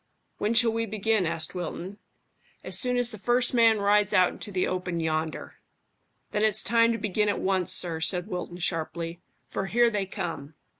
"When shall we begin?" asked Wilton. "As soon as the first man rides out into the open yonder." "Then it's time to begin at once, sir," said Wilton sharply, "for here they come."